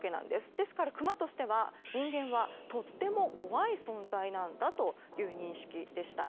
ですからクマとしては人間はとっても怖い存在なんだという認識でした。